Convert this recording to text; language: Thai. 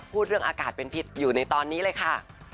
พูดเรื่องอากาศเป็นพิษอยู่ในตอนนี้เลยค่ะ